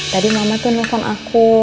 tadi mama tuh nelfon aku